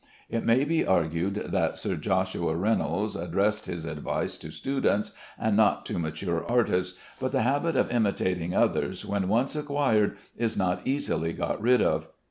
It may be argued that Sir J. Reynolds addressed his advice to students and not to mature artists, but the habit of imitating others, when once acquired, is not easily got rid of.